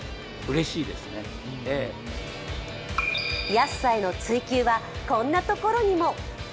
安さへの追求はこんなところにも。